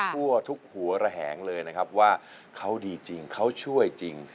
ทั่วทุกหัวระแหงเลยนะครับว่าเขาดีจริงเขาช่วยจริง